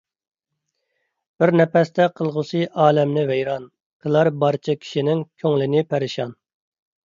بىر نەپەستە قىلغۇسى ئالەمنى ۋەيران، قىلار بارچە كىشىنىڭ كۆڭلىن پەرىشان.